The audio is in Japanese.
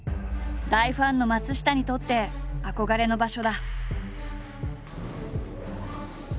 大ファンの松下にとって憧れの場所だ。